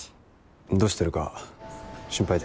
どうしてるか心配でさ。